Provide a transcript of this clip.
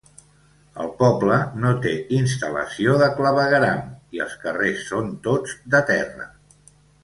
El poble no té instal·lació de clavegueram i els carrers són tots de terra.